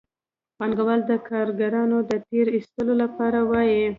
پانګوال د کارګرانو د تېر ایستلو لپاره وايي